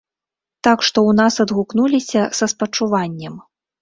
Так што ў нас адгукнуліся са спачуваннем.